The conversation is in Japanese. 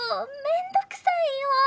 めんどくさいよぉ！